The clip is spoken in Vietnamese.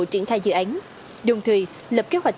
triển khai dự án đồng thời lập kế hoạch